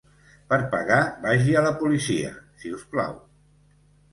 Per pagar vagi a la policia, si us plau.